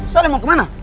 soalnya mau kemana